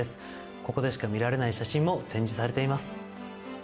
ここでしか見られない写真も展示されています。